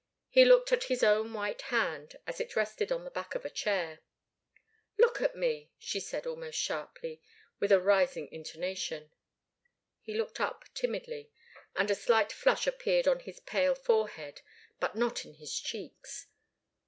He looked at his own white hand as it rested on the back of a chair. "Look at me!" she said, almost sharply, with a rising intonation. He looked up timidly, and a slight flush appeared on his pale forehead, but not in his cheeks.